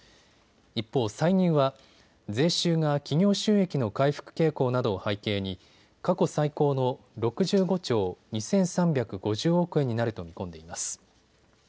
一方、歳入は税収が企業収益の回復傾向などを背景に過去最高の６５兆２３５０億円になると見込んでいます。